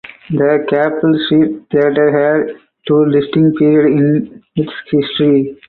The Capel Street Theatre had two distinct periods in its history.